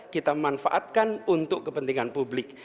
kita manfaatkan untuk kepentingan publik